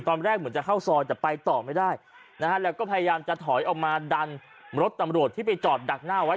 ตอนแรกเหมือนจะเข้าซอยแต่ไปต่อไม่ได้นะฮะแล้วก็พยายามจะถอยออกมาดันรถตำรวจที่ไปจอดดักหน้าไว้